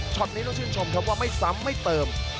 ช็อตนี้ต้องช่วยชมครับไม่สำไม่เติม